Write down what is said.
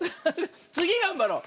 つぎがんばろう！